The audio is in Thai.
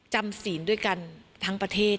ศีลด้วยกันทั้งประเทศ